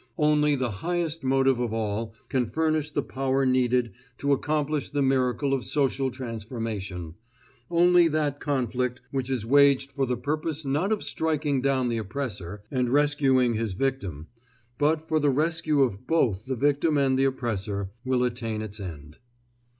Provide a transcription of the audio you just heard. Only the highest motive of all can furnish the power needed to accomplish the miracle of social transformation; only that conflict which is waged for the purpose not of striking down the oppressor and rescuing his victim, but for the rescue of both the victim and the oppressor, will attain its end.